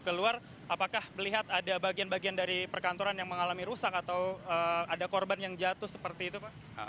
keluar apakah melihat ada bagian bagian dari perkantoran yang mengalami rusak atau ada korban yang jatuh seperti itu pak